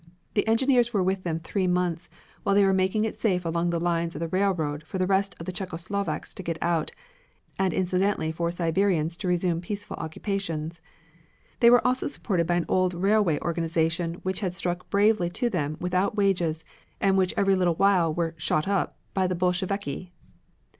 The engineers were with them three months, while they were making it safe along the lines of the railroad for the rest of the Czecho Slovaks to get out, and incidentally for Siberians to resume peaceful occupations. They were also supported by old railway organizations which had stuck bravely to them without wages and which every little while were "shot up" by the Bolsheviki.